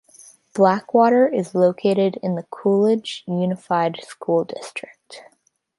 Blackwater is located in the Coolidge Unified School District.